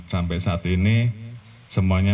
sampai saat ini semuanya